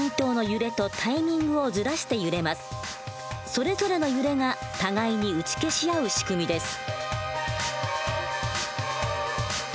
それぞれの揺れが互いに打ち消し合う仕組みです。